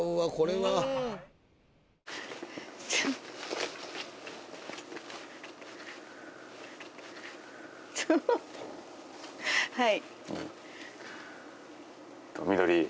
はい。